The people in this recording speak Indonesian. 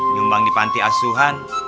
nyumbang di panti asuhan